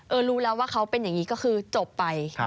รู้แล้วว่าเขาเป็นอย่างนี้ก็คือจบไป